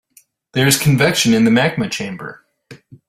There is convection in the magma chamber.